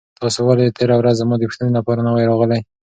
تاسو ولې تېره ورځ زما د پوښتنې لپاره نه وئ راغلي؟